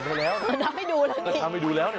อ้าวทำให้ดูแล้ว